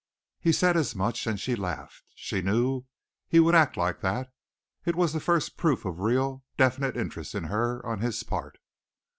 He said as much and she laughed. She knew he would act like that, it was the first proof of real, definite interest in her on his part.